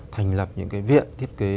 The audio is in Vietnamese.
thành lập những cái viện thiết kế